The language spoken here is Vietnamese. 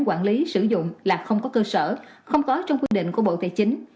quản lý sử dụng là không có cơ sở không có trong quy định của bộ tài chính